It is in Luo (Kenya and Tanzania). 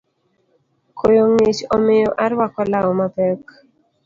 Koyo ng’ich omiyo arwako law mapek